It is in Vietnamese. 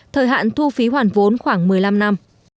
thời hạn thu phí hoàn vốn khoảng một mươi năm năm